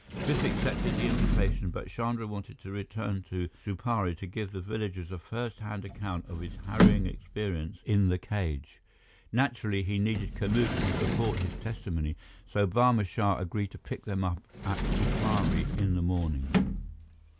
Biff accepted the invitation, but Chandra wanted to return to Supari to give the villagers a first hand account of his harrowing experience in the cage. Naturally, he needed Kamuka to support his testimony, so Barma Shah agreed to pick them up at Supari in the morning.